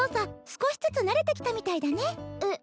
少しずつ慣れてきたみたいだねえっ